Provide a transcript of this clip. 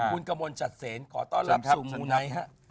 คุณกมลชัดเสนขอต้อนรับสู่มูนัย